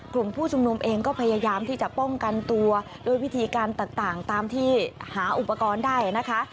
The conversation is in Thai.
กลุ่มผู้ชุมนุมเองก็พยายามที่จะป้องกันตัวด้วยวิธีการต่างตามที่หาอุปกรณ์ได้นะคะ